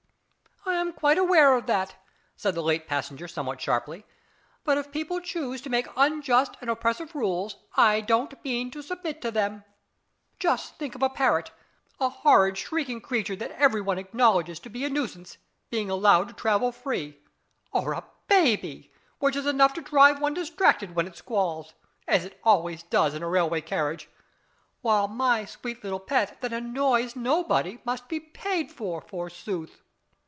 "I am quite aware of that," said the late passenger somewhat sharply, "but if people choose to make unjust and oppressive rules I don't mean to submit to them. Just think of a parrot, a horrid shrieking creature that every one acknowledges to be a nuisance, being allowed to travel free, or a baby, which is enough to drive one distracted when it squalls, as it always does in a railway carriage, while my sweet little pet that annoys nobody must be paid for, forsooth!"